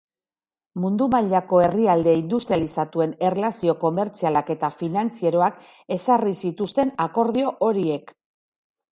Mundu mailako herrialde industrializatuen erlazio komertzialak eta finantzieroak ezarri zituzten akordio horiek.